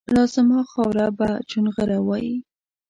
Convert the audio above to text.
لازما خاوره به چونغره وایي